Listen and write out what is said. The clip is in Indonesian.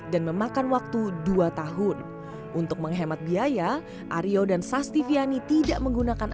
dan memakan waktu dua tahun untuk menghemat biaya aryo dan sastiviani tidak menggunakan